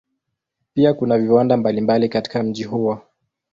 Pia kuna viwanda mbalimbali katika mji huo.